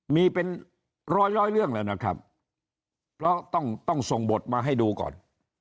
มีเป็นร้อยร้อยเรื่องแล้วนะครับเพราะต้องส่งบทมาให้ดูก่อน